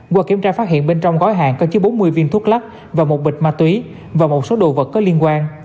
qua kiểm tra phát hiện bên trong gói hàng có chứa bốn mươi viên thuốc lắc và một bịch ma túy và một số đồ vật có liên quan